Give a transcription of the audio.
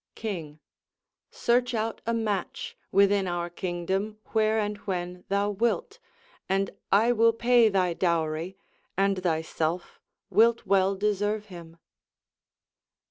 King Search out a match Within our kingdom, where and when thou wilt, And I will pay thy dowry; and thyself Wilt well deserve him.